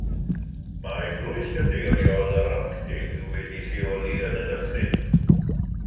Mae Eglwys Gadeiriol yr Arctig wedi ei leoli yn y dyffryn